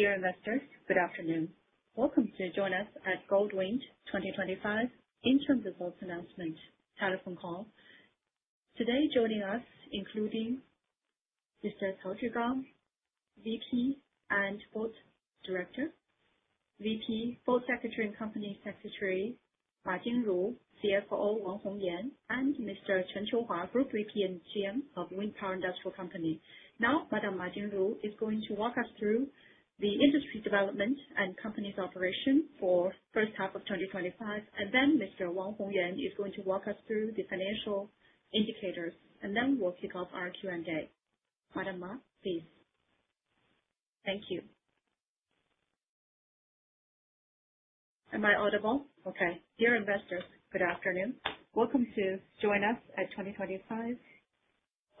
Dear Investors, good afternoon. Welcome to join us at Goldwind Science & Technology Co., Ltd. 2025 interim results announcement. Telephone call today joining us including Sister Cao Zhigang, Vice President and Board Director, Vice President, Board Secretary and Company Secretary Ma Jinru, Chief Financial Officer Wang Hongyan, and Mr. Chen Qiuhua of Wind Power Industrial Company. Now Madam Ma Jinru is going to walk us through the Industry Development and company's operation for first half of 2025 and then Mr. Wang Hongyan is going to walk us through the financial indicators and then we'll kick off our Q&A. Please. Thank you. Am I audible? Okay. Dear Investors, good afternoon. Welcome to join us at 2025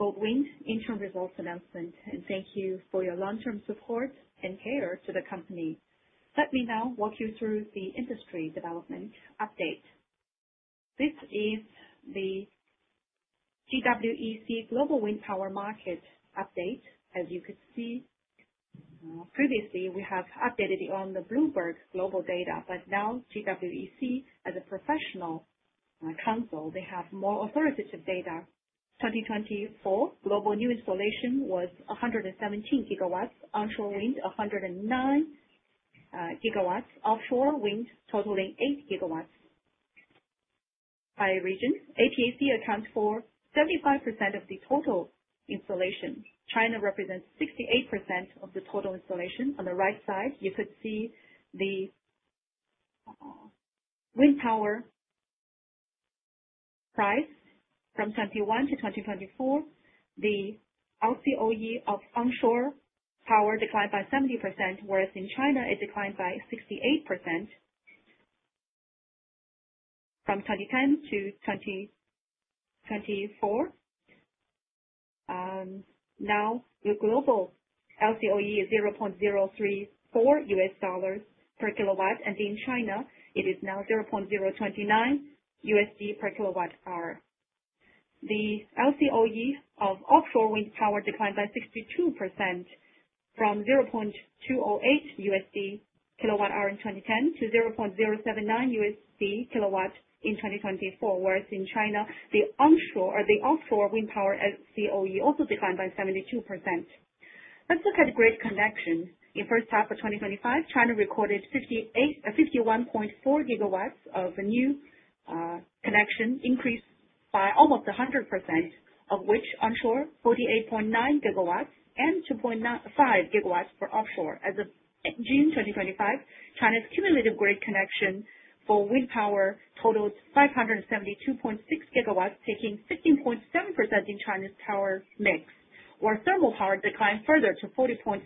Goldwind Science & Technology Co., Ltd. interim results announcement and thank you for your long term support and care to the company. Let me now walk you through the Industry Development Update. This is the GWEC Global Wind Power Market Update. As you could see previously we have updated on the Bloomberg Global data, but now GWEC as a professional council they have more authoritative data. 2024 global new installation was 117 GW onshore wind, 109 GW offshore wind totaling 8 GW. High region APAC accounts for 75% of the total installation. China represents 68% of the total installation. On the right side you could see the wind power price. From 2021 to 2024 the LCOE of onshore power declined by 70%, whereas in China it declined by 68% from 2010 to 2024. Now the global LCOE is $0.034 kWh and in China it is now $0.029 per kWh. The LCOE of offshore wind power declined by 62% from $0.208 per kWh in 2010 to $0.079 kWh in 2024, whereas in China the offshore wind power LCOE also declined by 72%. Let's look at the grid connection. In first half of 2025, China recorded 51.4 GW of new connection increased by almost 100% of which onshore, 48.9 GW and 2.5 GW offshore. As of June 2025, China's cumulative grid connection for wind power totaled 572.6 GW taking 16.7% in China's power mix, while thermal power declined further to 40.4%.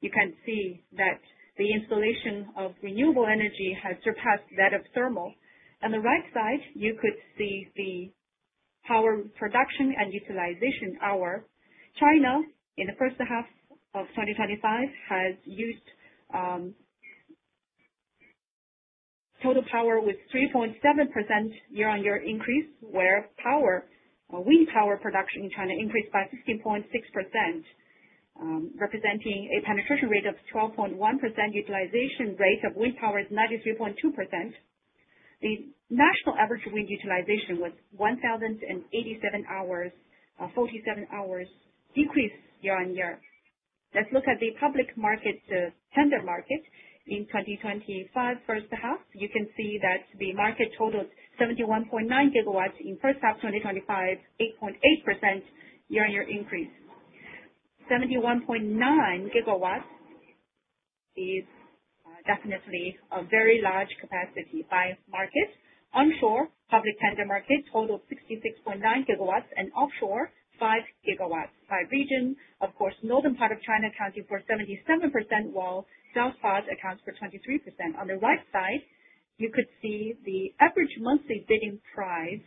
You can see that the installation of renewable energy has surpassed that of thermal. On the right side you could see the power production and utilization hour. China in the first half of 2025 has used total power with 3.7% year-on-year increase where wind power production in China increased by 15.6% representing a penetration rate of 12.1%. Utilization rate of wind power is 93.2%. The national average wind utilization was 1,087 hours, a 47-hour decrease year-on-year. Let's look at the public market tender market in 2025 first half. You can see that the market totaled 71.9 GW in first half 2025, an 8.8% year-on-year increase. 71.9 GW is definitely a very large capacity. Five markets onshore public Canada market total 66.9 GW and offshore 5 GW. Five regions, of course, northern part of China accounting for 77% while salespods accounts for 23%. On the right side, you could see the average monthly bidding price.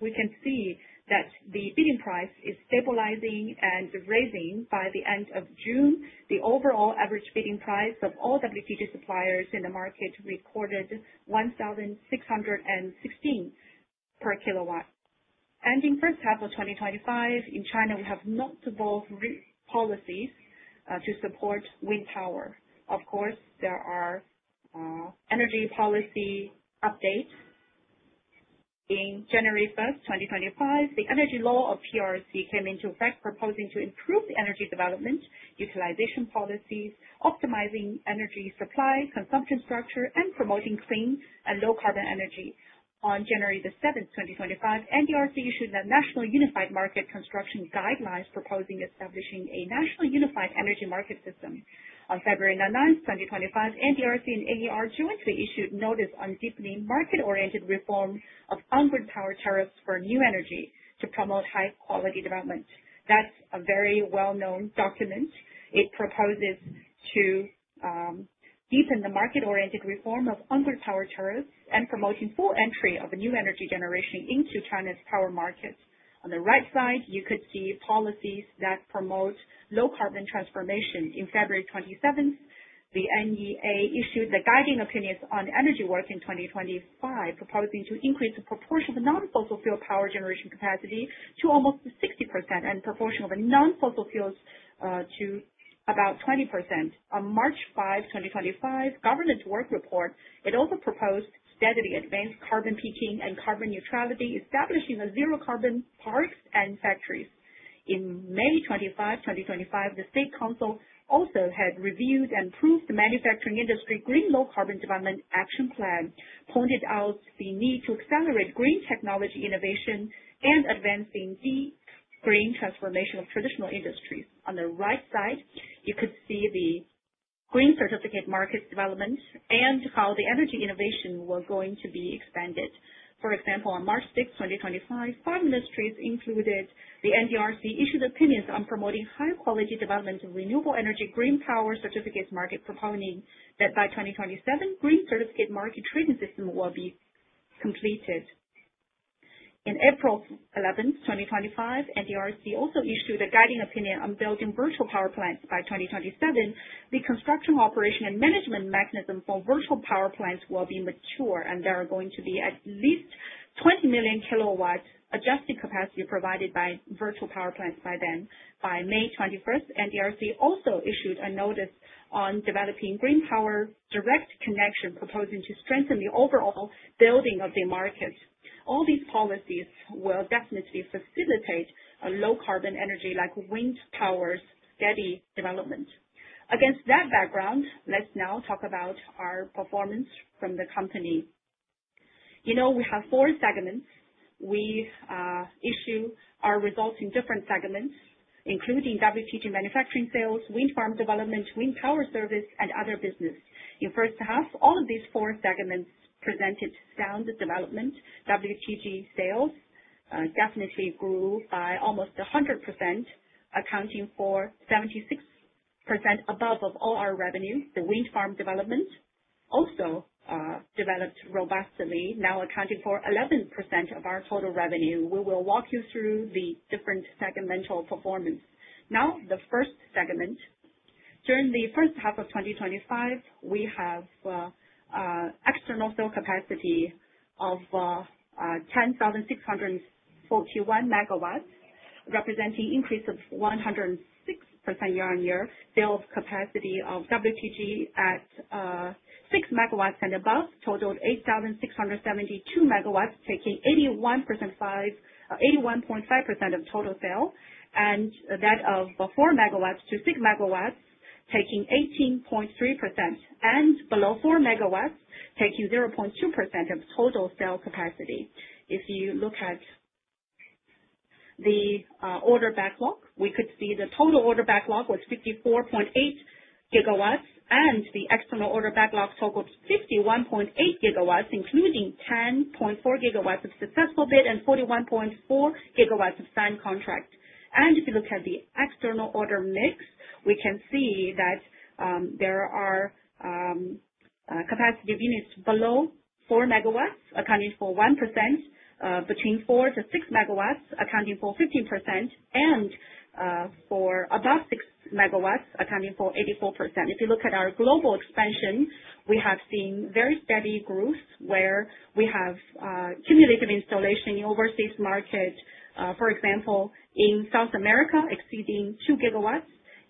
We can see that the bidding price is stabilizing and raising. By the end of June, the overall average bidding price of all wind turbine generator suppliers in the market recorded 1,616 per kW ending first half of 2025. In China, we have notable policies to support wind tower. Of course, there are energy policy updates. On January 1, 2025, the Energy Law of PRC came into effect, proposing to improve energy development utilization policies, optimizing energy supply consumption structure, and promoting clean and low carbon energy. On January 7, 2025, the National Development and Reform Commission issued a National Unified Market Construction Guidelines proposing establishing a national unified energy market system. On February 9, 2025, the National Development and Reform Commission and National Energy Administration jointly issued Notice on Deepening Market Oriented Reform of Onward Power Tariffs for New energy to promote high quality development. That's a very well known document. It proposes to deepen the market oriented reform of underpower tariffs and promoting full entry of new energy generation into China's power market. On the right side, you could see policies that promote low carbon transformation. On February 27, the National Energy Administration issued the guiding opinions on energy work in 2025, proposing to increase the proportion of non fossil fuel power generation capacity to almost 60% and proportion of non fossil fuels to about 20%. On March 5, 2025, Governance Work Report, it also proposed steadily advanced carbon pitching and carbon neutrality, establishing zero carbon parks and factories. On May 25, 2025, the State Council also had reviewed and approved the manufacturing industry Green Low Carbon Development Action Plan, pointed out the need to accelerate green technology innovation and advancing the green transformation of traditional industries. On the right side, you could see the green certificate market development and how the energy innovation was going to be expanded. For example, on March 6, 2025, farm industries included the NDRC issued opinions on promot development, Renewable energy, Green Power Certificate market propelling beside 2027 Green Certificate Market Trading System will be completed in April 11, 2025. NDRC also issued a guiding opinion on building virtual power plants by 2027. The construction, operation and management mechanism for virtual power plants will be mature and there are going to be at least 20 million kW adjusted capacity provided by virtual power plants by then by May 21. NDRC also issued a notice on developing green power direct connection proposing to strengthen the overall building of the market. All these policies will definitely facilitate a low carbon energy like wind power's steady development. Against that background, let's now talk about our performance from the company. You know we have four segments. We issue our results in different segments including WTG manufacturing sales, wind farm development, wind power service and other business. In first half, all of these four segments presented sound development. WTG sales definitely grew by almost 100% accounting for 76% above of all our revenue. The wind farm development also developed robustly now accounting for 11% of our total revenue. We will walk you through the different segmental performance now. The first segment during the first half of 2025 we have external cell capacity of 10,641 MW representing increase of 106% year-on-year. Sales capacity of WTG at 6 MW and above totaled 8,672 MW taking 81.5% of total sale and that of 4 MW-6 MW taking 18.3% and below 4 MW taking 0.2% of total cell capacity. If you look at the order backlog we could see the total order backlog was 54.8 and the external order backlog 51.8 GW including 10.4 GW of successful bid and 41.4 GW of fan contract. If you look at the external order mix we can see that there are capacity units below 4 MW accounting for 1%, between 4 MW-6 MW accounting for 15% and for about 6 MW accounting for 84%. If you look at our global expansion, we have seen very steady growth where we have cumulative installation in overseas market for example in South America exceeding 2 GW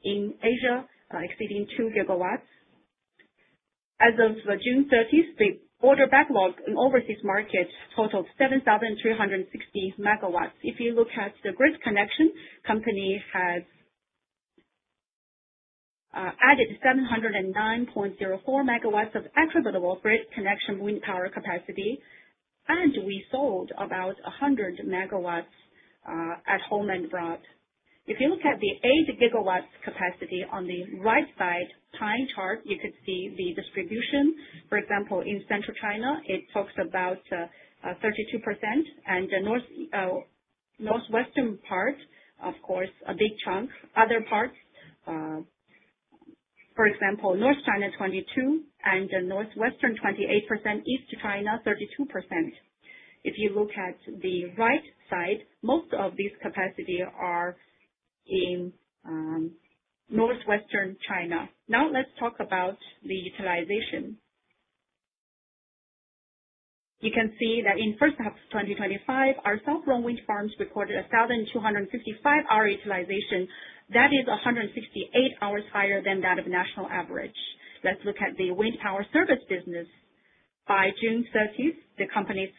in Asia exceeding 2 GW. As of June 30, the order backlog and overseas market totaled 7,360 MW. If you look at the grid connection, the company has added 709.04 MW of attributable bridge connection wind power capacity. We sold about 100 MW at home and abroad. If you look at the 8 GW capacity on the right side pie chart, you could see the distribution. For example, in Central China it talks about 32% and North, Northwestern part of course a big chunk, other parts. For example, North China 22% and Northwestern 28%. East China 32%. If you look at the right side, most of this capacity is in Northwestern China. Now let's talk about the utilization. You can see that in the first half of 2025, our south blown wind farms recorded 1,255 hour utilization. That is 168 hours higher than that of the national average. Let's look at the wind power service business. By June 30, the company's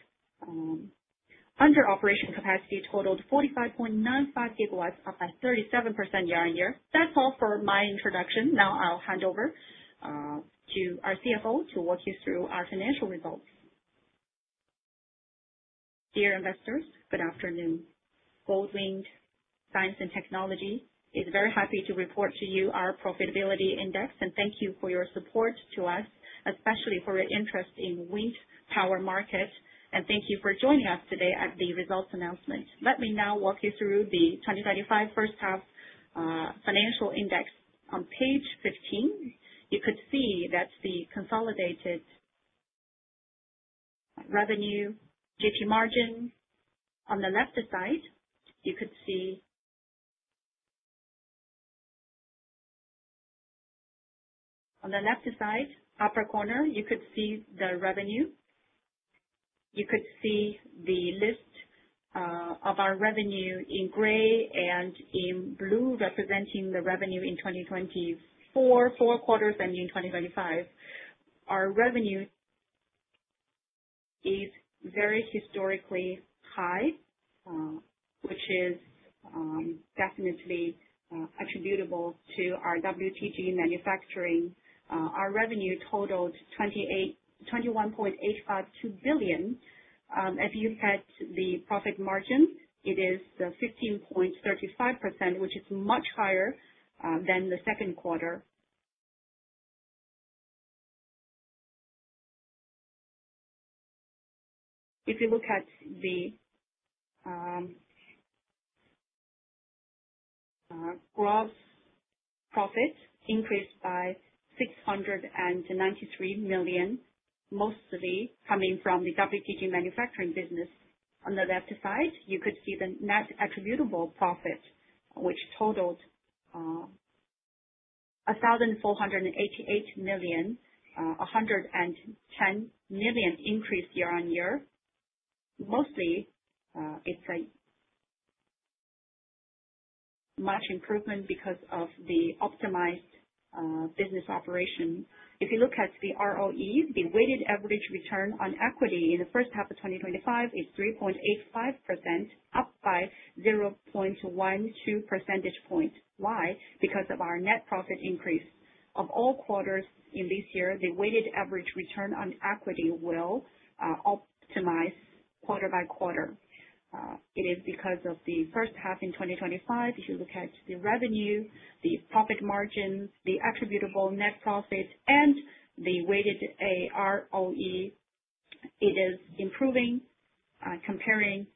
under operation capacity totaled 45.95 GW, up by 37% year-on-year. That's all for my introduction. Now I'll hand over to our CFO to walk you through our financial results. Dear investors, good afternoon. Goldwind Science & Technology Co., Ltd. is very happy to report to you our profitability index. Thank you for your support to us, especially for your interest in wind power markets. Thank you for joining us today at the results announcement. Let me now walk you through the 2025 first half financial index. On page 15, you could see the consolidated revenue GP margin. On the left side, you could see on the left side upper corner, you could see the revenue. You could see the list of our revenue in gray and in blue representing the revenue in 2024 Q4 and in 2025. Our revenue is very historically high, which is definitely attributable to our wind turbine generator (WTG) manufacturing. Our revenue totaled 2,821.852 billion. If you look at the profit margin, it is 15.35%, which is much higher than the second quarter. If you look at the gross profit, it increased by 693 million, mostly coming from the WTG manufacturing business. On the left side, you could see the net attributable profit, which totaled 1,488 million, a 110 million increase year-on-year. Mostly it's a much improvement because of the optimized business operation. If you look at the ROE, the weighted average return on equity in the first half of 2025 is 3.85%, up by 0.12 percentage point. This is because of our net profit increase of all quarters in this year. The weighted average return on equity will optimize quarter by quarter. It is because of the first half in 2025. If you look at the revenue, the profit margin, the attributable net profit and the weighted ROE, it is improving. Comparing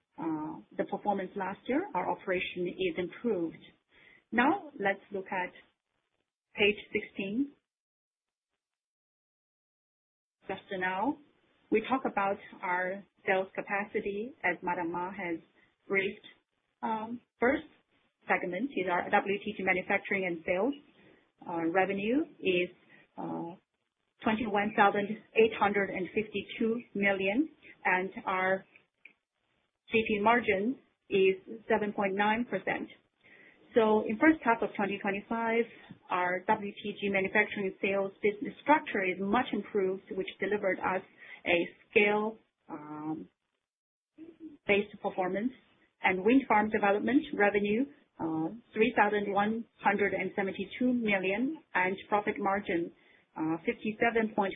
the performance last year, our operation is improved. Now let's look at page 16. Just now we talk about our sales capacity as Madame Ma has raised. First segment is our WTG manufacturing and sales revenue is 21,852 million and our margin is 7.9%. In first half of 2025 our WTG manufacturing sales structure is much which delivered us a scale based performance and wind farm development revenue 3,172 million and profit margin 57.5%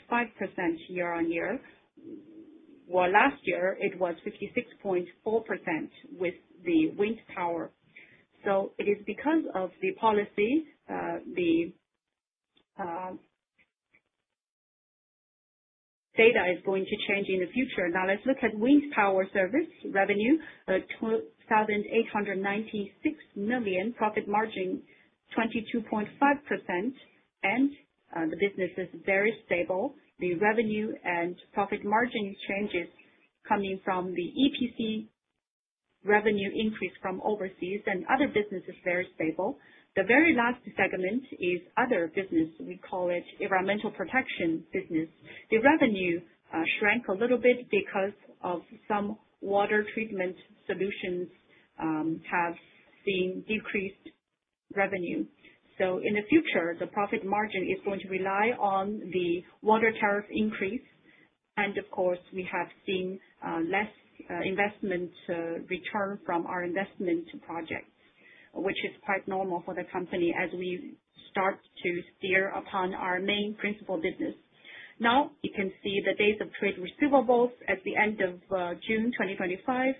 year-on-year while last year it was 56.4% with the wind power. It is because of the policy the data is going to change in the future. Now let's look at wind power services revenue 2,896 million profit margin 22.5% and the business is very stable. The revenue and profit margin changes coming from the EPC revenue increase from overseas and other businesses very stable. The very last segment is other business. We call it environmental protection business. The revenue shrank a little bit because some water treatment solutions have seen decreased revenue. In the future the profit margin is going to rely on the water tariff increase. Of course we have seen less investment return from our investment projects which is quite normal for the company as we start to steer upon our main principal business. Now you can see the days of trade receivables at the end of June 2025,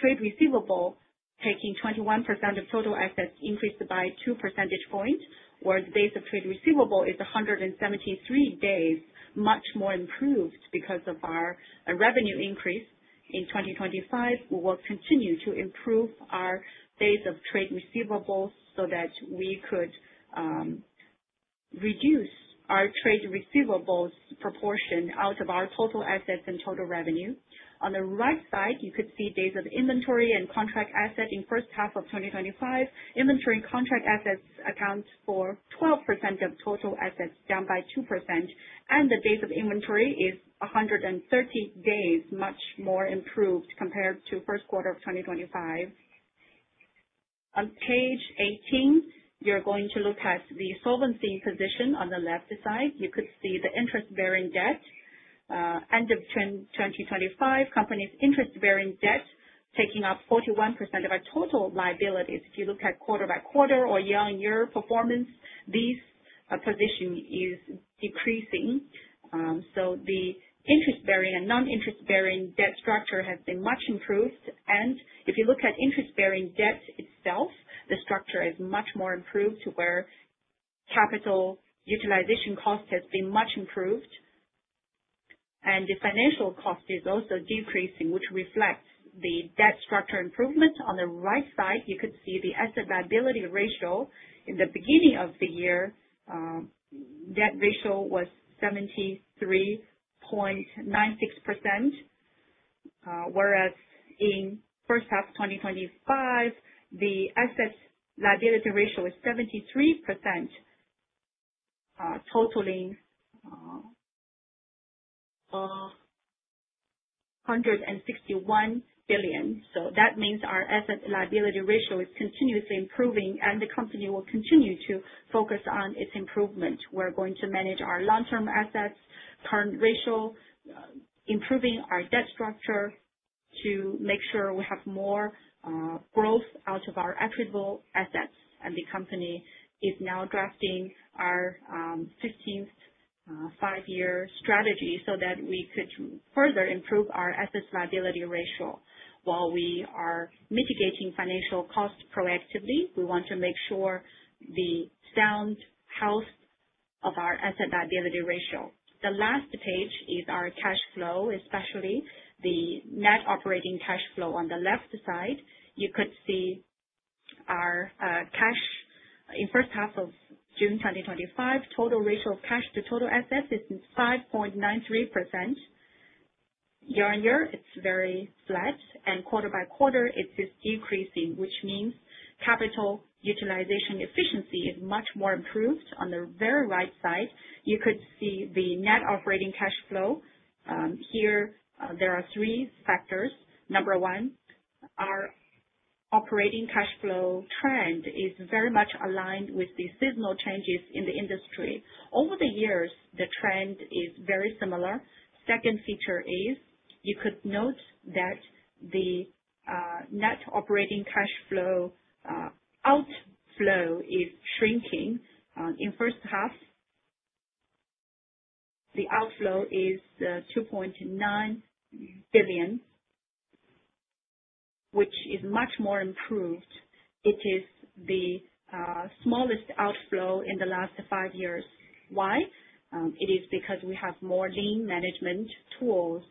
trade receivable taking 21% of total assets increased by 2 percentage point where the days of trade receivable is 173 days much more improved because of our revenue increase in 2025 we will continue to improve our base of trade receivables so that we could reduce our trade receivables proportion out of our total assets and total revenue. On the right side you could see days of inventory and contract asset in first half of 2025, inventory contract assets account for 12% of total assets down by 2% and the days of inventory is 130 days much more improved compared to first quarter of 2025. On page 18 you're going to look at the solvency position on the left side you could see the interest bearing debt end of 2025, company's interest bearing debt taking up 41% of our total liabilities. If you look at quarter by quarter or year-on-year performance, these position is decreasing. The interest bearing and non interest bearing debt structure has been much improved. If you look at interest bearing debt itself, the structure is much more improved to where capital utilization cost has been much improved and the financial cost is also decreasing, which reflects the debt structure improvement. On the right side you could see the asset-liability ratio. In the beginning of the year, debt ratio was 73.96%. Whereas in the first half of 2025, the asset-liability ratio is 73%, totaling 161 billion. That means our asset-liability ratio is continuously improving and the company will continue to focus on its improvement. We are going to manage our long-term assets, current ratio, improving our debt structure to make sure we have more growth out of our equitable assets. The company is now drafting our 15th Five Year Strategy so that we could further improve our asset-liability ratio. While we are mitigating financial costs proactively, we want to make sure of the sound health of our asset-liability ratio. The last page is our cash flow, especially the net operating cash flow. On the left side you could see our cash. In the first half of June 2025, total ratio of cash to total assets is 5.93%. year-on-year it's very flat and quarter by quarter it is decreasing, which means capital utilization efficiency is much more improved. On the very right side you could see the net operating cash flow. Here there are three factors. Number one, our operating cash flow trend is very much aligned with the seasonal changes in the industry over the years. The trend is very similar. Second feature is you could note that the net operating cash outflow is shrinking. In the first half, the outflow is 2.9 billion, which is much more improved. It is the smallest outflow in the last five years. It is because we have more lean management tools,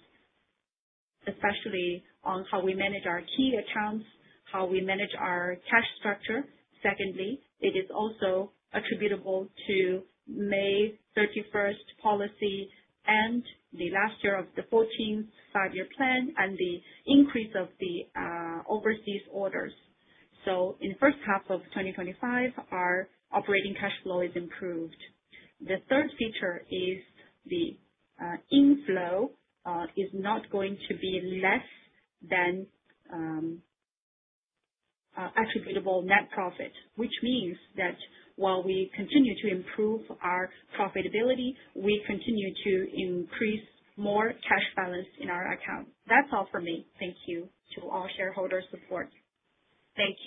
especially on how we manage our key accounts, how we manage our cash structure. Secondly, it is also attributable to the May 31 policy and the last year of the 14th Five Year Plan and the increase of the overseas orders. In the first half of 2025, our operating cash flow is improved. The third feature is the inflow is not going to be less than attributable net profit, which means that while we continue to improve our profitability, we continue to increase more cash balance in our account. That's all for me. Thank you to all shareholder support. Thank you.